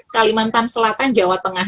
kalimantan selatan jawa tengah